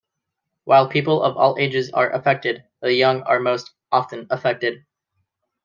While people of all ages are affected, the young are most often affected.